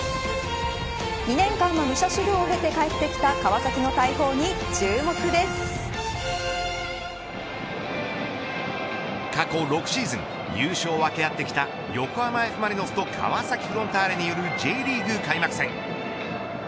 ２年間の武者修行を経て帰ってきた川崎の大砲に過去６シーズン優勝を分け合ってきた横浜Ｆ・マリノスと川崎フロンターレによるＪリーグ開幕戦。